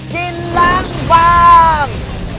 กินล้างบาง